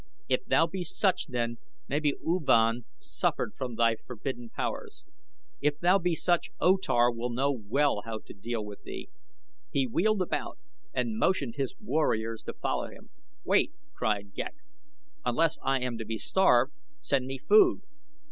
If thou be such then maybe U Van suffered from thy forbidden powers. If thou be such O Tar will know well how to deal with thee." He wheeled about and motioned his warriors to follow him. "Wait!" cried Ghek. "Unless I am to be starved, send me food."